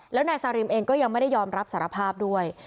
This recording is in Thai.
แล้วนายซาริมเองก็ยังไม่ได้ยอมรับสารภาพด้วย